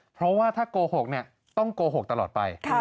เพราะว่าถ้าโกหกต้องโกหกตลอดไป